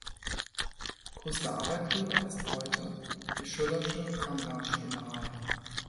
Größter Arbeitgeber ist heute die Schoeller’sche Kammgarnspinnerei.